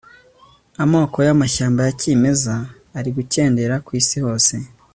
amoko y'amashyamba ya kimeza ari gukendera ku isi hose